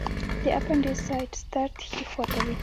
د اپنډیسایټس درد ښي خوا ته وي.